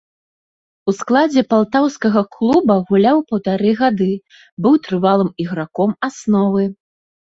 У складзе палтаўскага клуба гуляў паўтары гады, быў трывалым іграком асновы.